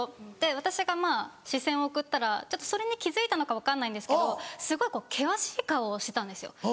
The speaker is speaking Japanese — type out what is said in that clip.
私が視線を送ったらそれに気付いたのか分かんないんですけどすごい険しい顔をしてたんですよ。